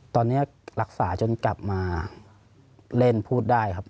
ตอนนี้รักษาจนกลับมาเล่นพูดได้ครับ